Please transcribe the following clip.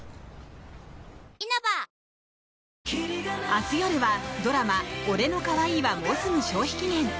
明日夜はドラマ「俺の可愛いはもうすぐ消費期限！？」。